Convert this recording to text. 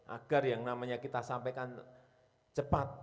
agar yang namanya kita sampaikan cepat